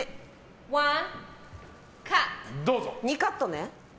２カットね。